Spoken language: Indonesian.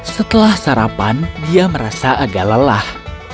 setelah sarapan dia merasa agak lelah